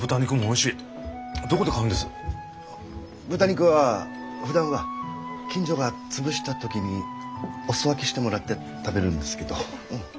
豚肉はふだんは近所が潰した時にお裾分けしてもらって食べるんですけどうん。